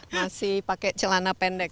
masih pakai celana pendek